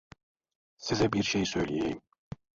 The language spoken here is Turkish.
Size bir şey söyleyeyim.